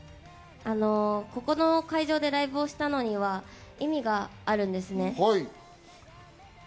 ここの会場でライブをしたのには意味があるんですね。